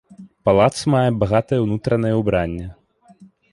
Палац мае багатае ўнутранае ўбранне.